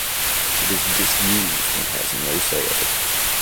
It is disused and has no sails.